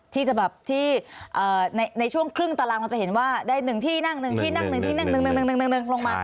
ที่จะแบบที่ในช่วงครึ่งตารางเราจะเห็นว่าได้๑ที่นั่ง๑ที่นั่ง๑ที่นั่ง๑๑ลงมา